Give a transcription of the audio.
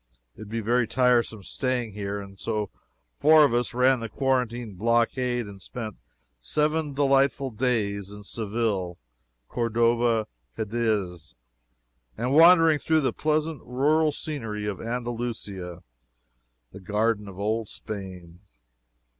It would be very tiresome staying here, and so four of us ran the quarantine blockade and spent seven delightful days in Seville, Cordova, Cadiz, and wandering through the pleasant rural scenery of Andalusia, the garden of Old Spain.